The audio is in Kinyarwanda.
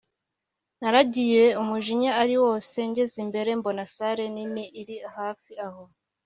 naragiye umujinya ari wose ngeze imbere mbona sale nini iri hafi aho